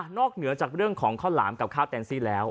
เหนือจากเรื่องของข้าวหลามกับข้าวแตนซี่แล้ว